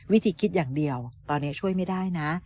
วิธีคิดอย่างเดียวตอนนี้ช่วยไม่ได้นะ